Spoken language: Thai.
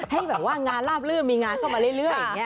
นะครับให้ว่างงานราบลื่นมีงานเข้ามาเรื่อยอย่างนี้